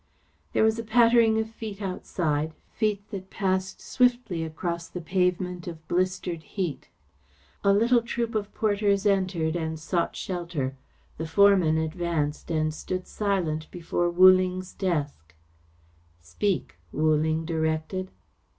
There was a pattering of feet outside; feet that passed swiftly across the pavement of blistered heat. A little troop of porters entered and sought shelter. The foreman advanced and stood silent before Wu Ling's desk. "Speak," Wu Ling directed.